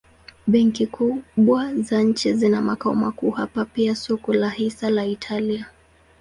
Benki kubwa za nchi zina makao makuu hapa pia soko la hisa la Italia.